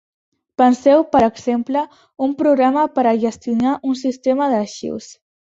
Penseu, per exemple, un programa per a gestionar un sistema d'arxius.